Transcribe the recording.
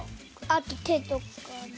あとてとかも。